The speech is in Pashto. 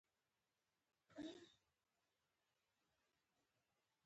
په ګڼو څانګو کې لکونو ښځینه و نارینه پوهانو ته ضرورت دی.